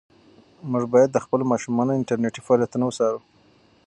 موږ باید د خپلو ماشومانو انټرنيټي فعالیتونه وڅارو.